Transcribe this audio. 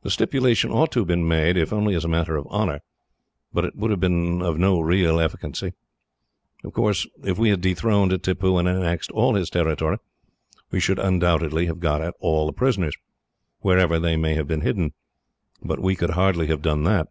"The stipulation ought to have been made, if only as a matter of honour, but it would have been of no real efficiency. Of course, if we had dethroned Tippoo and annexed all his territory, we should undoubtedly have got at all the prisoners, wherever they were hidden. But we could hardly have done that.